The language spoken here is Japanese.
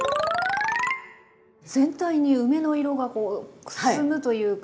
全体に梅の色がくすむというか。